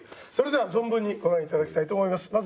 それでは存分にご覧頂きたいと思います。